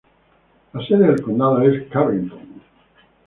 La sede del condado es Carrington.